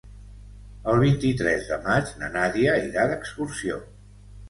El vint-i-tres de maig na Nàdia irà d'excursió.